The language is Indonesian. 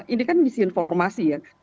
ini kan misinformasi ya